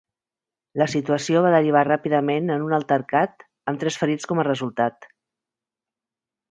La situació va derivar ràpidament en un altercat amb tres ferits com a resultat.